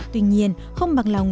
tuy nhiên không bằng lòng